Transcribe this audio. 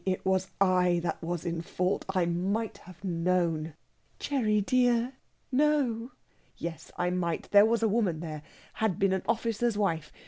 It was I that was in fault. I might have known...." "Gerry, dear ... no!..." "Yes, I might. There was a woman there had been an officer's wife.